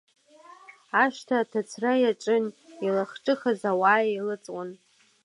Ашҭа аҭацәра иаҿын, илахҿыхыз ауаа еилыҵуан.